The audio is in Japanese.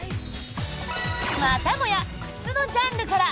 またもや靴のジャンルから。